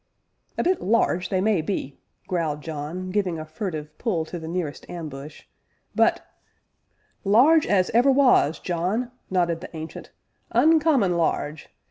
"A bit large, they may be," growled John, giving a furtive pull to the nearest ambush, "but " "Large as ever was, John!" nodded the Ancient "oncommon large!